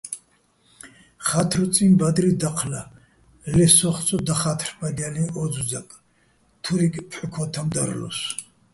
ხა́თრუწიჼ ბადრი დაჴლა, ლე სოხ ცო დახა́თრბადჲალიჼ ო ძუძაკ, თურიკ ფჰ̦უ-ქო́თამ დარლოსო̆.